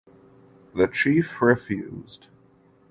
The chief refused.